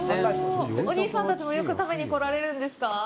お兄さんたちもよく食べに来られるんですか？